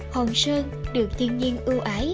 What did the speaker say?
hoàng sơn được thiên nhiên đưa ra một bãi biển